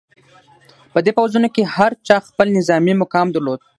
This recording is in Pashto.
په دې پوځونو کې هر چا خپل نظامي مقام درلود.